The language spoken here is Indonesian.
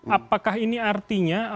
apakah ini artinya